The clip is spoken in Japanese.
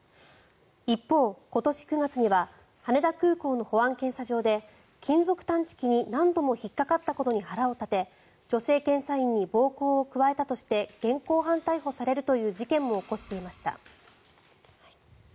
一方、今年９月には羽田空港の保安検査場で金属探知機に何度も引っかかったことに腹を立て女性検査員に暴行を加えたとして現行犯逮捕されるという事件も起こしていました。